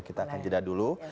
kita akan jeda dulu